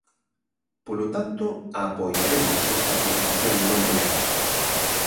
Polo tanto, apoiaremos esta proposición non de lei.